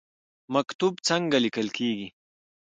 مکتوب څنګه لیکل کیږي؟